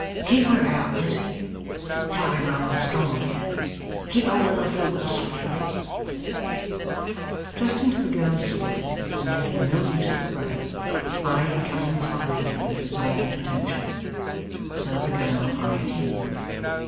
'Keep her out, Lizzie. Tide runs strong here. Keep her well afore the sweep of it.' Trusting to the girl's skill and making no use of the rudder, he eyed the coming tide with an absorbed attention. So the girl eyed him.